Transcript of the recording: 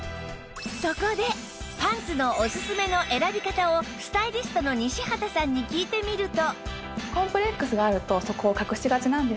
そこでパンツのおすすめの選び方をスタイリストの西畑さんに聞いてみると